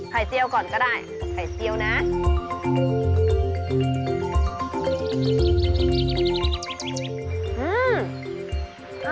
ไข่เจียวก่อนก็ได้ไข่เจียวน่ะ